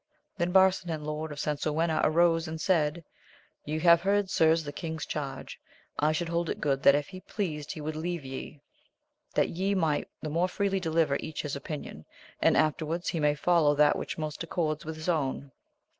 Then Barsinan, Lord of Sansuena, arose and said, Ye have heard, sirs, the king's charge : I should hold it good that if he pleased he would leave ye, that ye might the more freely deliver each his opinion 3 and^ aiterwaT&s, V^ "oi^:^ i<^Qr« *Osia^ ^^r^^ AMADIS OF GAUL. 175 most accords with his own.